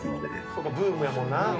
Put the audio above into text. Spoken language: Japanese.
「そっかブームやもんな」